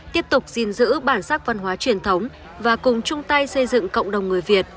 tiếp tục gìn giữ bản sắc văn hóa truyền thống và cùng chung tay xây dựng cộng đồng người việt